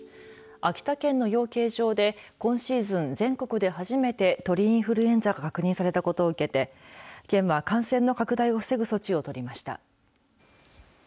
秋田県の養鶏場で今シーズン全国で初めて鳥インフルエンザが確認されたことを受けて県は感染の拡大を防ぐ措置を取りました。